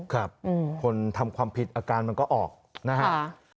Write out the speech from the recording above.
ครับคนทำความผิดอาการมันก็ออกนะฮะ